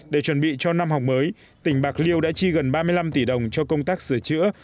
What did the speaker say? để chuẩn bị cho năm học mới tỉnh bạc liêu đã chi gần ba mươi năm tỷ đồng cho công tác sửa chữa